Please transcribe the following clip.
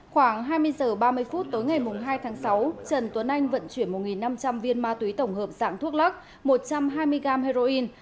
khoảng hai mươi h ba mươi phút tối ngày hai tháng sáu trần tuấn anh vận chuyển một năm trăm linh viên ma túy tổng hợp dạng thuốc lắc một trăm hai mươi gram heroin